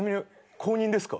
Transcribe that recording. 公認ですか。